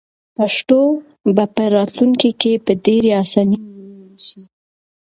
پښتو به په راتلونکي کې په ډېرې اسانۍ وویل شي.